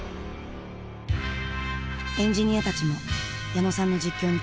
エンジニアたちも矢野さんの実況に鼓舞される。